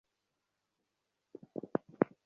ওঁকে চা খাইয়ে আসি গে।